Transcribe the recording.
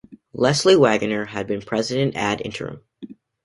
Leslie Waggener had been president ad interim.